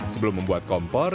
sebelum membuat kompor